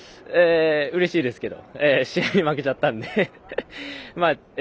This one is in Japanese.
うれしいですけど試合に負けちゃったんで。